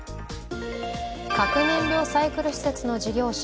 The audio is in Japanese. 核燃料サイクル事業の事業者